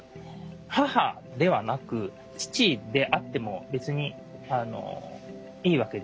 「母」ではなく「父」であっても別にいいわけですよね。